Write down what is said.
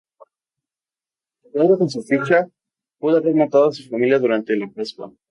De acuerdo con su ficha, pudo haber matado a su familia durante la Pascua.